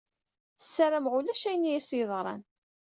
Sarameɣ ulac ayen i as-yeḍran.